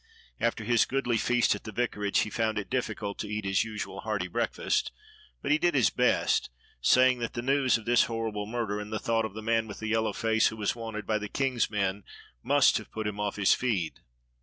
After his goodly feast at the vicarage he found it difficult to eat his usual hearty breakfast, but he did his best, saying that the news of this horrible murder and the thought of the man with the yellow face who was wanted by the King's men must have put him off his feed.